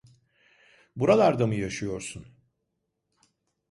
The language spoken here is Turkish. Buralarda mı yaşıyorsun?